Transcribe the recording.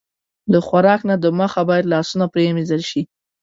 له خوراک نه د مخه باید لاسونه پرېمنځل شي.